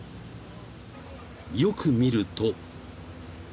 ［よく見ると］